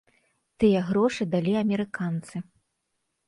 Тыя грошы далі амерыканцы.